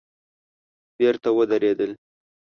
بېرته ودرېدل.